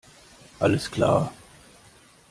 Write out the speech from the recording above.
Alles klar!